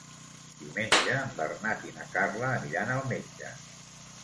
Diumenge en Bernat i na Carla aniran al metge.